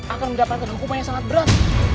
akan mendapatkan hukuman yang sangat berat